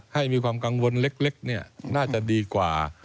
ให้มีความกังวลเล็กน่าจะดีกว่า